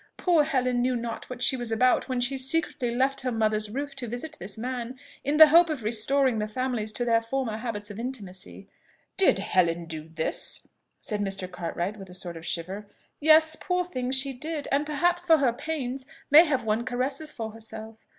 Poor Helen knew not what she was about when she secretly left her mother's roof to visit this man, in the hope of restoring the families to their former habits of intimacy!" "Did Helen do this?" said Mr. Cartwright, with a sort of shiver. "Yes, poor thing, she did; and perhaps for her pains may have won caresses for herself.